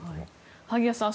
萩谷さん